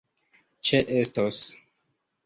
ĉeestos